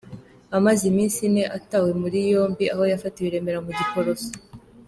Amaze iminsi ine atawe muri yombi aho yafatiwe i Remera mu Giporoso.